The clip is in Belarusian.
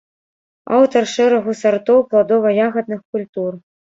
Аўтар шэрагу сартоў пладова-ягадных культур.